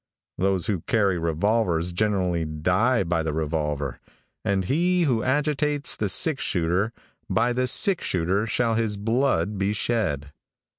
Those who carry revolvers generally die by the revolver, and he who agitates the six shooter, by the six shooter shall his blood be shed.